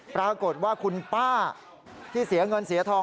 ปรากฏว่าคุณป้าที่เสียเงินเสียทอง